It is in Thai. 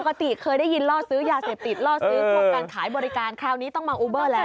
เคยได้ยินล่อซื้อยาเสพติดล่อซื้อพวกการขายบริการคราวนี้ต้องมาอูเบอร์แล้ว